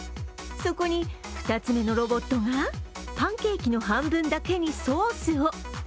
そこに２つ目のロボットがパンケーキの半分だけにソースを。